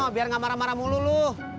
biar gak marah marah mulu loh